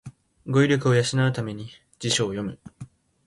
語彙力を養うために辞書を読む